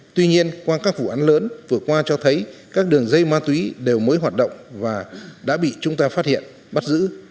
tuy nhiên qua các vụ án lớn vừa qua cho thấy các đường dây ma túy đều mới hoạt động và đã bị chúng ta phát hiện bắt giữ